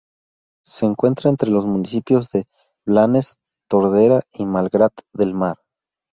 Se encuentra entre los municipios de Blanes, Tordera y Malgrat de Mar.